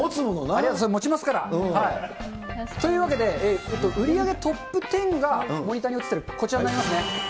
ありがとうございます、もちますからね。というわけで、売り上げトップ１０がモニターに映ってるこちらになりますね。